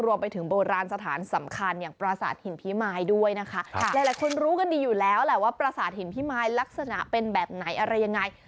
โบราณสถานสำคัญอย่างประสาทหินพิมายด้วยนะคะหลายคนรู้กันดีอยู่แล้วแหละว่าประสาทหินพิมายลักษณะเป็นแบบไหนอะไรยังไง